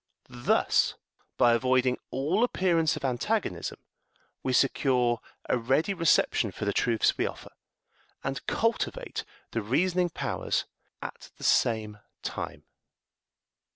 Thus, by avoiding all appearance of antagonism, we secure a ready reception for the truths we offer, and cultivate the reasoning powers at the same time.